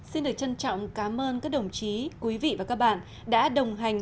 xin được trân trọng cảm ơn các đồng chí quý vị và các bạn đã đồng hành